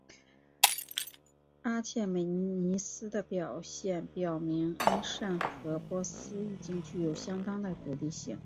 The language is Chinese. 阿契美尼斯的表现表明安善和波斯已经具有相当的独立性。